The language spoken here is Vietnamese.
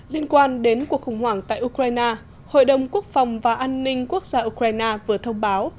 liên quan đến cuộc khủng hoảng tại ukraine hội đồng quốc phòng và an ninh quốc gia ukraine vừa thông báo